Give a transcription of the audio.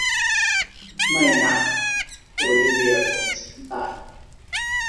ไม่นะ โอลิเวียผมสีน้ำตาล